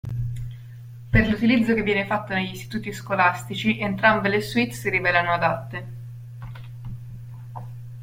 Per l'utilizzo che viene fatto negli istituti scolastici entrambe le suite si rivelano adatte.